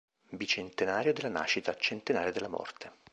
Bicentenario della nascita, centenario della morte.